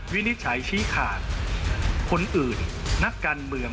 วินิจฉัยชี้ขาดคนอื่นนักการเมือง